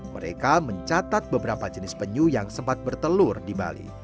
mereka mencatat beberapa jenis penyu yang sempat bertelur di bali